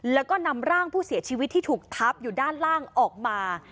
แล้วก็นำร่างผู้เสียชีวิตที่ถูกทับอยู่ด้านล่างออกมา